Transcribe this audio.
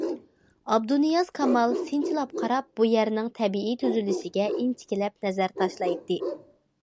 ئابدۇنىياز كامال سىنچىلاپ قاراپ بۇ يەرنىڭ تەبىئىي تۈزۈلۈشىگە ئىنچىكىلەپ نەزەر تاشلايتتى.